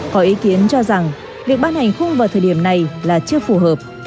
có ý kiến cho rằng việc ban hành khung vào thời điểm này là chưa phù hợp